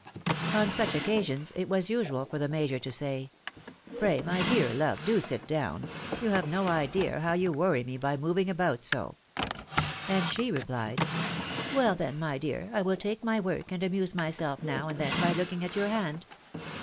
On such occasions, it was usual for the Major to say " Pray, my dear love, do Sit down ; you have no idea how you worry me by moving about so." And she replied, " Well, then, my dear, I will take my work, and amuse myself now and then by looking at your hand."